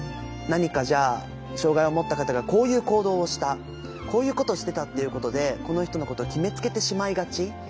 何かじゃあ障害をもった方がこういう行動をしたこういうことをしてたっていうことでこの人のことを決めつけてしまいがち。